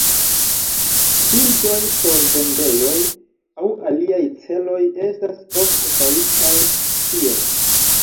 Ŝildoj por vendejoj aŭ aliaj celoj estas ofte faritaj tiel.